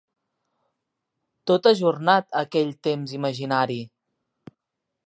Tot ajornat a aquell temps imaginari!